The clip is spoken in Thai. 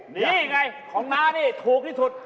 นี่ไงของน้านี่ถูกที่สุด